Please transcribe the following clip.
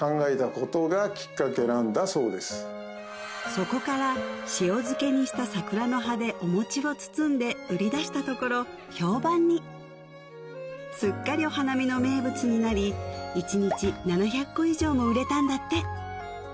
そこから塩漬けにした桜の葉でお餅を包んで売り出したところ評判にすっかりお花見の名物になり１日７００個以上も売れたんだって